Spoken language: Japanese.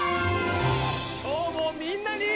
今日もみんなに。